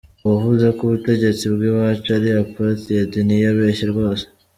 Uwavuze ko ubutegetse bwiwacu ari aparthied ntiyabeshye rwose